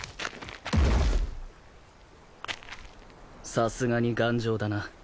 さすがに頑丈だな。